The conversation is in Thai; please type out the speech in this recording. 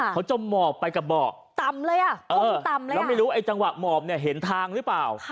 เขาจะหมอบไปกับเบาะต่ำเลยอ่ะต่ำเลยแล้วไม่รู้ไอ้จังหวะหมอบเนี่ยเห็นทางหรือเปล่า